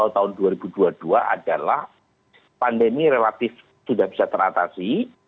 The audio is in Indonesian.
tahun dua ribu dua puluh dua adalah pandemi relatif sudah bisa teratasi